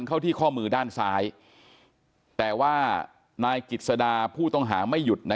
เข้าที่ข้อมือด้านซ้ายแต่ว่านายกิจสดาผู้ต้องหาไม่หยุดนะ